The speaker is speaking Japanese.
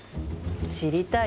知りたい？